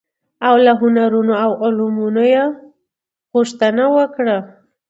او له هنرونو او علومو يې غوښتنه وکړه،